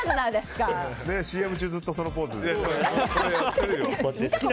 ＣＭ中、ずっとそのポーズ。